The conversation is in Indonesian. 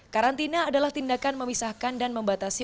karantina adalah tindakan memisahkan dan membatasi